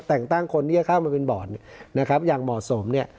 แต่งตั้งคนที่จะเข้ามาเป็นบอร์ดเนี่ยนะครับอย่างเหมาะสมเนี่ย